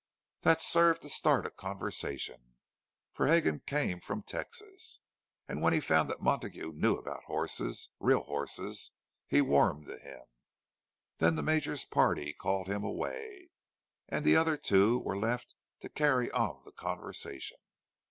That served to start a conversation; for Hegan came from Texas, and when he found that Montague knew about horses—real horses—he warmed to him. Then the Major's party called him away, and the other two were left to carry on the conversation.